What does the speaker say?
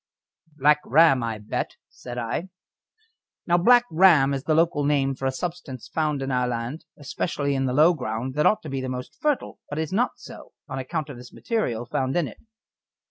"Black Ram, I bet," said I. Now Black Ram is the local name for a substance found in our land, especially in the low ground that ought to be the most fertile, but is not so, on account of this material found in it.